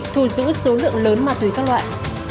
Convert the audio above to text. thù giữ số lượng lớn ma túy các loại